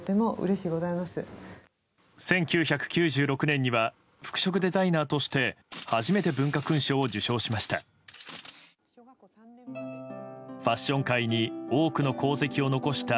１９９６年には服飾デザイナーとして初めて文化勲章を受章しました。